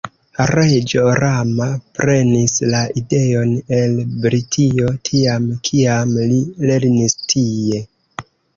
Reĝo Rama prenis la ideon el Britio tiam, kiam li lernis tie.